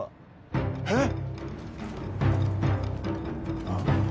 えっ？